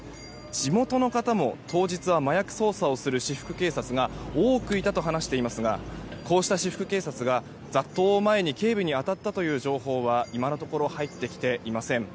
地元の方も、当日は麻薬捜査をする私服警察が多くいたと話していますがこうした私服警察が雑踏を前に警備に当たったという情報は今のところ入ってきていません。